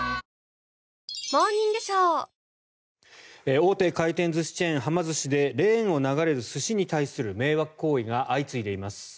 ⁉大手回転寿司チェーンはま寿司でレーンを流れる寿司に対する迷惑行為が相次いでいます。